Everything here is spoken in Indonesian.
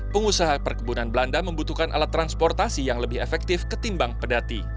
pengusaha perkebunan belanda membutuhkan alat transportasi yang lebih efektif ketimbang pedati